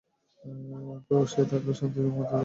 সে তাকেও শান্তিতে ঘুমাতে দেয়নি, ভেবে দেখ!